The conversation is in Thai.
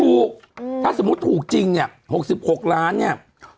ถูกถ้าสมมุติถูกจริงเนี่ย๖๖ล้านเนี่ย